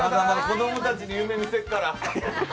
子供たち、夢見てっから。